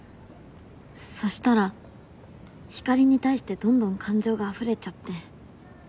そしたらひかりに対してどんどん感情があふれちゃって。